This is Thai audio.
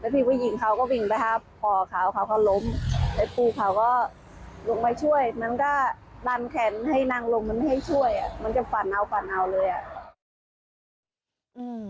พี่ผู้หญิงเขาก็วิ่งไปครับป่าเขาว่าเขาก็ล้ม